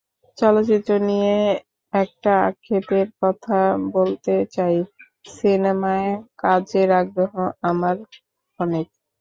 চলচ্চিত্র নিয়ে একটা আক্ষেপের কথা বলতে চাই, সিনেমায় কাজের আগ্রহ আমার অনেক।